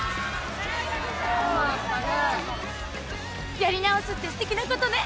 やり直すってすてきなことね。